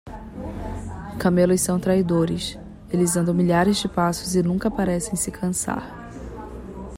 Camelos são traidores. Eles andam milhares de passos e nunca parecem se cansar.